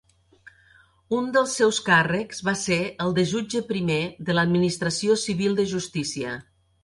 Un dels seus càrrecs va ser el de jutge primer de l'administració civil de justícia.